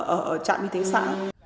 ở trạm y tế xã